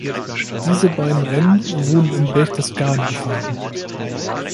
Diese beiden Rennen wurden in Berchtesgaden gefahren.